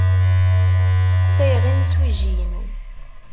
Sseqsayeɣ imsujji-inu.